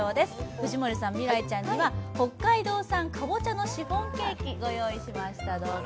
藤森さん、未来ちゃんには北海道産かぼちゃのシフォンケーキ、ご用意しました。